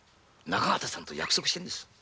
中畑さんと約束してるんです。